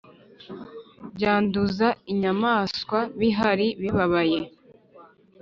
byanduza inyamaswa bihari bibaye